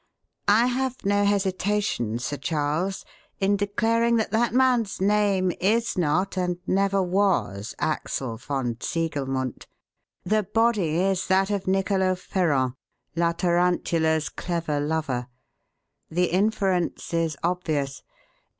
I have no hesitation, Sir Charles, in declaring that that man's name is not, and never was, Axel von Ziegelmundt. The body is that of Nicolo Ferrand, 'La Tarantula's' clever lover. The inference is obvious.